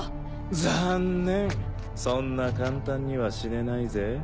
残念そんな簡単には死ねないぜ。